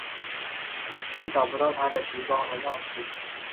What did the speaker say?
却找不到她的皮包和钥匙。